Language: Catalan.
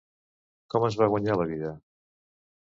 Com es va guanyar la vida?